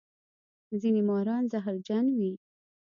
ځینې ماران زهرجن وي